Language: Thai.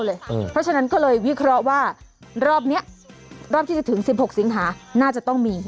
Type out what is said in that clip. เพราะฉะนั้นก็เลยวิเคราะห์ว่ารอบนี้รอบที่จะถึง๑๖สิงหาน่าจะต้องมี